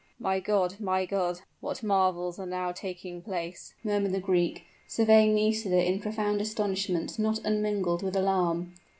"My God! my God! what marvels are now taking place!" murmured the Greek, surveying Nisida in profound astonishment not unmingled with alarm.